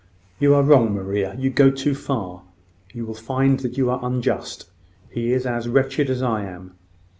"You are wrong, Maria. You go too far. You will find that you are unjust. He is as wretched as I am.